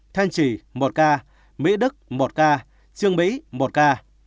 thanh trì một ca mỹ đức một ca trương mỹ một ca